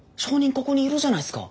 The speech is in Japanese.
ここにいるじゃないすか。